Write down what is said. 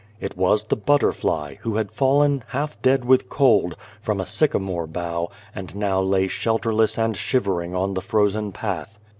It was the butterfly, who had fallen, half dead with cold, from a sycamore bough, and now lay shelterless and shivering on the frozen path.